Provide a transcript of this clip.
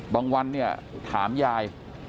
วันเนี่ยถามยาย